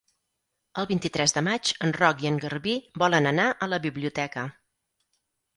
El vint-i-tres de maig en Roc i en Garbí volen anar a la biblioteca.